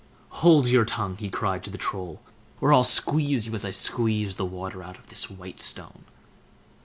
"Hold your tongue!" he cried to the Troll, "or I'll squeeze you as I squeeze the water out of this white stone."